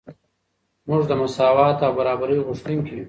موږ د مساوات او برابرۍ غوښتونکي یو.